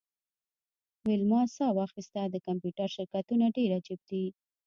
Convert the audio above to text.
ویلما ساه واخیسته د کمپیوټر شرکتونه ډیر عجیب دي